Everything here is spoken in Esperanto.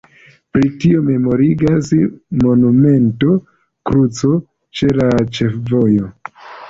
Pri tio memorigas monumento kruco ĉe la ĉefvojo.